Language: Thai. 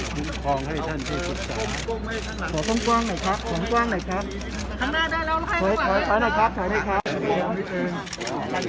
ภูมิพร้อมถอนให้ท่านที่ฝุตกาศ